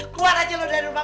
keluar aja lu dari rumah